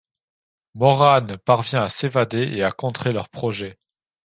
Morane parvient à s'évader et à contrer leurs projets.